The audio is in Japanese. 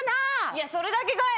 いやそれだけかい！